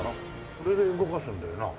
これで動かすんだよな。